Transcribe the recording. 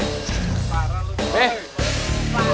nanti akan seguridad buat kita poco poco